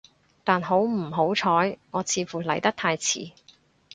但好唔好彩，我似乎嚟得太遲